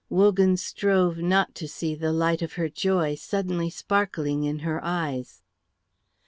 Wogan strove not to see the light of her joy suddenly sparkling in her eyes.